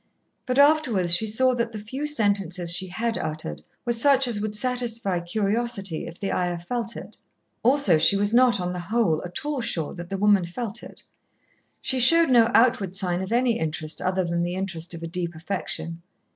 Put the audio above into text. But afterwards she saw that the few sentences she had uttered were such as would satisfy curiosity if the Ayah felt it. Also she was not, on the whole, at all sure that the woman felt it. She showed no outward sign of any interest other than the interest of a deep affection.